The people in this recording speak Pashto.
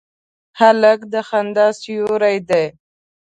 هلک د خندا سیوری دی.